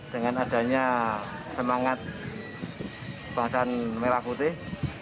dengan adanya semangat bahasan merah putih